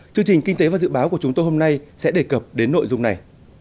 chương trình kinh tế và dự báo của chúng tôi hôm nay sẽ đề cập đến nội dung này